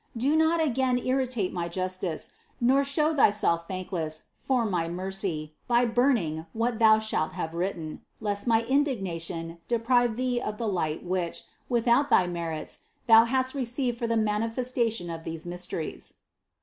Do not again irritate my justice, nor show thyself thankless for my mercy by burning what thou shalt have written, lest my indignation deprive thee of the light which, without thy merits, thou hast received for the manifestation of these mysteries."